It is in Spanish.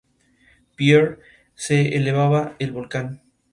Tradicionalmente, las tarjetas se imprimían en cartulina.